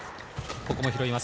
ここも拾います。